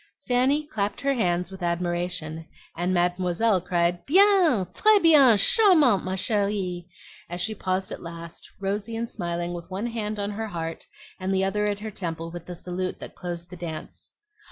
Fanny clapped her hands with admiration, and Mademoiselle cried, "Bien, tres bien, charmante, ma cherie!" as she paused at last, rosy and smiling, with one hand on her heart and the other at her temple with the salute that closed the dance.